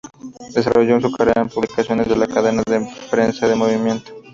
Desarrolló su carrera en publicaciones de la Cadena de Prensa del Movimiento.